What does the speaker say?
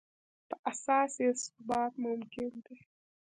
په اساس یې ثبات ممکن دی.